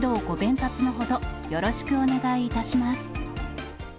たつのほど、よろしくお願いいたします。